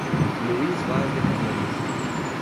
Luís Vaz de Camões